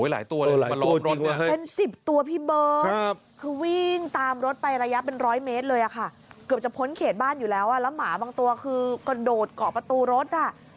แล้วหมาบางตัวคือกระโดดเกาะประตูรถ